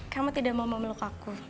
kamu tidak mau memeluk aku